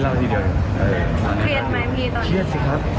แล้วก็สื่อช่วยเป็นตอนใจ